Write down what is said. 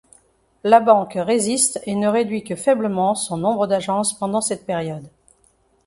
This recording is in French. La banque résiste et ne réduit que faiblement son nombre d'agences pendant cette période.